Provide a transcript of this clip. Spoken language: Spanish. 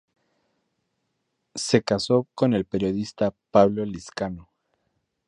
Se casó con el periodista Pablo Lizcano.